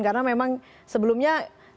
karena memang sebelumnya